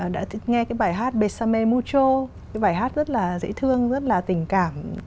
đã nghe cái bài hát besame mucho cái bài hát rất là dễ thương rất là tình cảm